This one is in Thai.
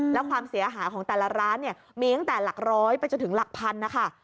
แล้วความเสียหายของแต่ละร้านเนี่ยมีตั้งแต่หลักร้อยไปจนถึงหลักพันนะคะ